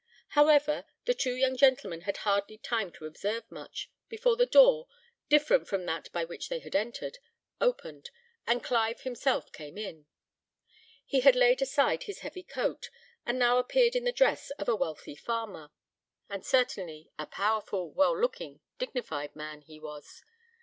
However, the two young gentlemen had hardly time to observe much, before a door, different from that by which they had entered, opened, and Clive himself came in. He had laid aside his heavy coat, and now appeared in the dress of a wealthy farmer; and certainly a powerful, well looking, dignified man he was.